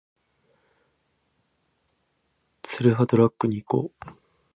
ツルハドラッグに行こう